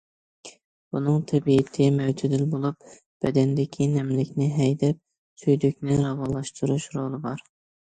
بۇنىڭ تەبىئىتى مۆتىدىل بولۇپ، بەدەندىكى نەملىكنى ھەيدەپ، سۈيدۈكنى راۋانلاشتۇرۇش رولى بار.